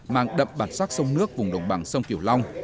mang đậm bản sắc sông nước vùng đồng bằng sông kiểu long